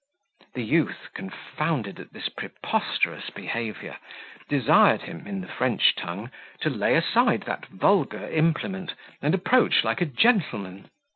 The youth, confounded at this preposterous behaviour, desired him, in the French tongue, to lay aside that vulgar implement, and approach like a gentleman.